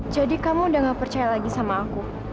jadi kamu udah nggak percaya lagi sama aku